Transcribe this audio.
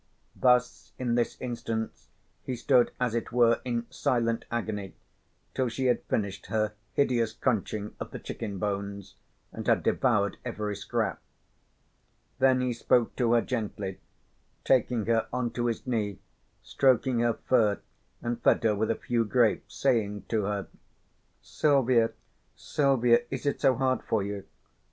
Thus in this instance he stood as it were in silent agony till she had finished her hideous crunching of the chicken bones and had devoured every scrap. Then he spoke to her gently, taking her on to his knee, stroking her fur and fed her with a few grapes, saying to her: "Silvia, Silvia, is it so hard for you?